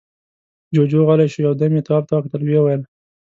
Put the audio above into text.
جُوجُو غلی شو، يو دم يې تواب ته وکتل، ويې ويل: